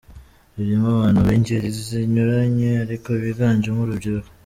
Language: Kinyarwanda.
Ririmo abantu b’ingeri zinyuranye ariko biganjemo urubyiruko.